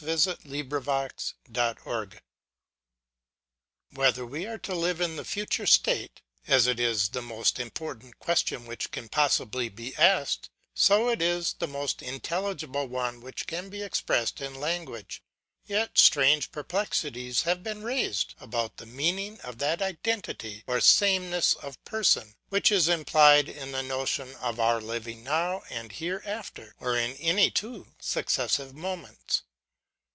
DISSERTATION I OF PERSONAL IDENTITY Whether we are to live in a future state, as it is the most important question which can possibly be asked, so it is the most intelligible one which can be expressed in language. Yet strange perplexities have been raised about the meaning of that identity or sameness of person, which is implied in the notion of our living now and hereafter, or in any two successive moments.